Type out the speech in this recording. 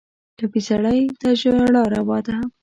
ټپي سړی ته ژړا روا ده.